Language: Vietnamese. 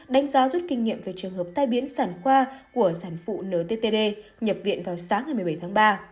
đánh giá rút kinh nghiệm về trường hợp tai biến sản khoa của sản phụ nttd nhập viện vào sáng ngày một mươi bảy tháng ba